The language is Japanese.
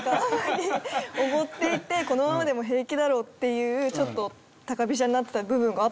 おごっていてこのままでも平気だろうっていうちょっと高飛車になってた部分があったのかなって思いました。